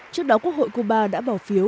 trước đó quốc hội cuba đã bỏ phiếu